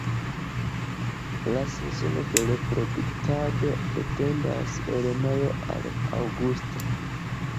La sezono de reproduktado etendas el majo al aŭgusto.